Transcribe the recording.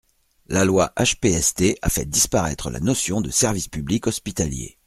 La loi HPST a fait disparaître la notion de service public hospitalier.